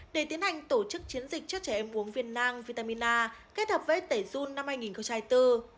để tiến hành tổ chức chiến dịch cho trẻ em uống viên nang vitamin a kết hợp với tẩy dun năm hai nghìn hai mươi bốn